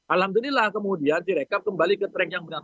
alhamdulillah kemudian direkap kembali ke track yang benar